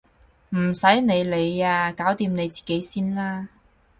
唔使你理啊！搞掂你自己先啦！